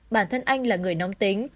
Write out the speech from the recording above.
bản thân anh là người nóng tính